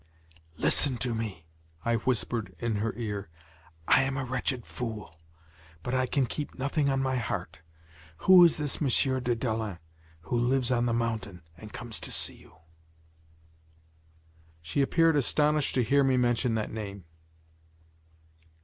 "Listen to me," I whispered in her ear, "I am a wretched fool, but I can keep nothing on my heart. Who is this M. de Dalens who lives on the mountain and comes to see you?" She appeared astonished to hear me mention that name.